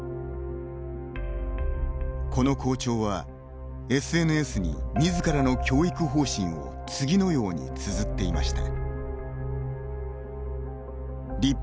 この校長はＳＮＳに自らの教育方針を次のようにつづっていました。